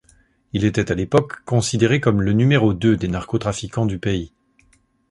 Il était à l'époque considéré comme le numéro deux des narco-trafiquants du pays.